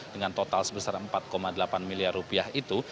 dengan total sebesar empat delapan miliar rupiah itu